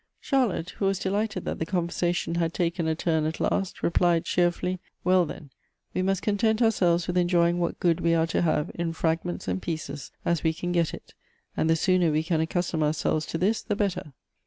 Charlotte, who was delighted that the conversation had taken a turn at last, replied cheerfully, " Well, then, we must content ourselves with enjoying what good we are to have in fragments and pieces, as we can get it ; and the sooner we can accustom ourselves to this the better."